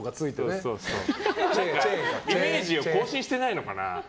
岡田のイメージを更新してないのかな？